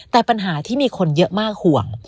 แต่ปัญหาที่มีคนเยอะมากห่วง